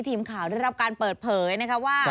ทีมข่าวได้รับการเปิดเผยนะคะว่า